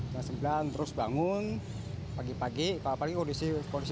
jam sembilan terus bangun pagi pagi paling paling kondisi puasa kayak gini ya